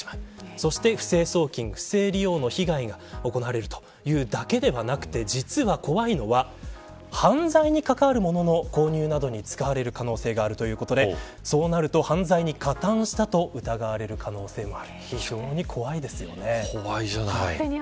そして、不正送金、不正利用の被害が行われるだけではなく犯罪に関わるものの購入などに使われる可能性があるということで犯罪に加担したと疑われる可能性がある非常に怖いですね。